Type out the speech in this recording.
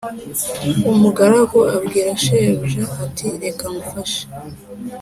Umugaragu abwira shebuja ati reka ngufashe